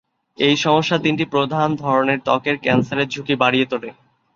এই সমস্যা তিনটি প্রধান ধরনের ত্বকের ক্যান্সারের ঝুঁকি বাড়িয়ে তোলে।